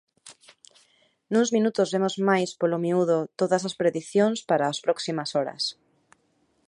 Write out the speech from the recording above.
Nuns minutos vemos máis polo miúdo todas as predicións para as próximas horas.